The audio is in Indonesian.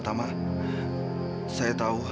pak haris tahu